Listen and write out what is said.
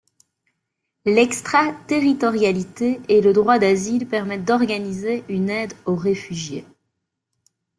L'extraterritorialité et le droit d'asile permettent d'organiser une aide aux réfugiés.